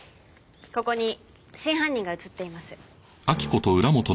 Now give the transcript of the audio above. ここに真犯人が写っています。